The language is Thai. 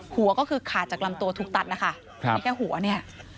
หัวก็คือขาดจากลำตัวถูกตัดนะคะมีแค่หัวเนี่ย